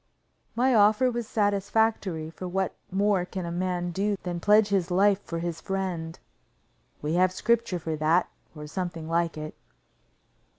My offer was satisfactory, for what more can a man do than pledge his life for his friend? We have scripture for that, or something like it.